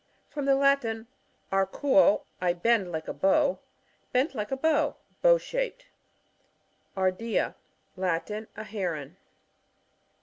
— From the Latin, areuo, I bend like a bow. Bent like a bow; bow shaped. Ardea. — Latin. A Heron.